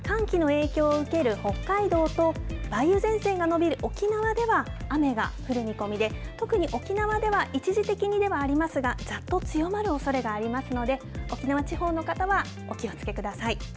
寒気の影響を受ける北海道と梅雨前線が伸びる沖縄では雨が降る見込みで特に沖縄では一時的にではありますがざっと強まるおそれがありますので、沖縄地方の方はお気をつけください。